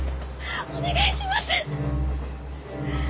お願いします！